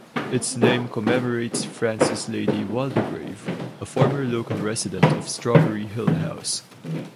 Its name commemorates Frances Lady Waldegrave, a former local resident of Strawberry Hill House.